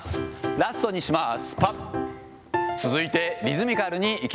ラストにします。